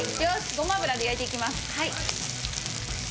ごま油で焼いていきます。